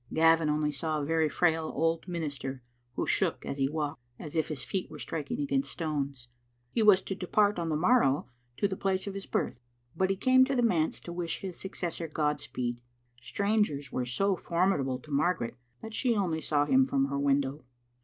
Gavin only saw a very frail old minister who shook as he walked, as if his feet were striking against stones. He was to depart on the morrow to the place of his birth, but he came to the manse to wish his successor God speed. Strangers were so formidable to Margaret that she only saw him from her window.